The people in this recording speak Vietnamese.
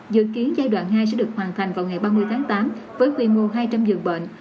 dự kiến giai đoạn hai sẽ được hoàn thành vào ngày ba mươi tháng tám với quy mô hai trăm linh giường bệnh